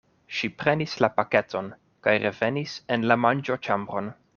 Ŝi prenis la paketon kaj revenis en la manĝoĉambron.